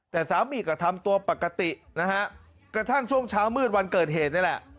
แต่สามีก็ทำตัวปกตินะฮะกระทั่งช่วงเช้ามืดวันเกิดเหตุนี่แหละ